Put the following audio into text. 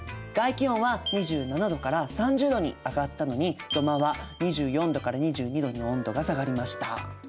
外気温は２７℃から３０℃に上がったのに土間は２４℃から２２℃に温度が下がりました。